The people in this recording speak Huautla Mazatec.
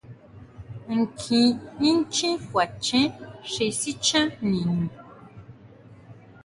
Nkjín inchjín kuachen xi sichán niñu.